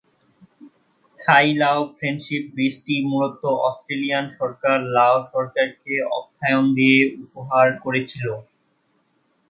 থাই-লাও friendship ব্রিজটি মূলত Australian সরকার লাও সরকারকে অর্থায়ন দিয়ে উপহার করেছিল।